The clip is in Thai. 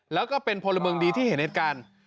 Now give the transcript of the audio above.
แล้วก็เป็นพลเมืองดีที่เห็นเหตุการณ์